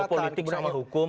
kalau politik sama hukum